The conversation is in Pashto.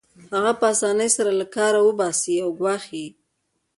هغه په اسانۍ سره له کاره وباسي او ګواښي